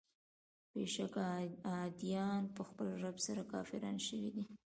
بېشکه عادیان په خپل رب سره کافران شوي دي.